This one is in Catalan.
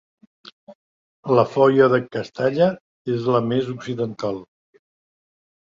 La foia de Castalla és la més occidental.